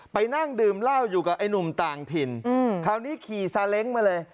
ไปนั่งดื่มเหล้าอยู่กับไอ้หนุ่มต่างถิ่นคราวนี้ขี่ซาเล้งมาเลย